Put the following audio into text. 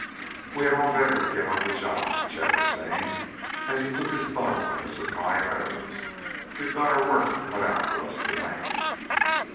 "We had all better get on the job," Chet was saying, as he took his bow and a supply of arrows, "we've got our work cut out for us to night."